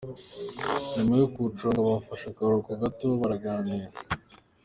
Nyuma yo kuwuconga bafashe akaruhuko gato baraganira.